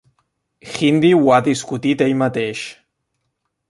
Hindy ho ha discutit ell mateix.